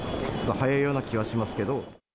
ちょっと早いような気はしますけれども。